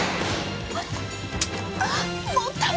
あっ。